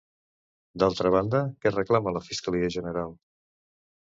D'altra banda, què reclama la fiscalia general?